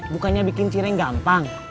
bukannya bikin cireng gampang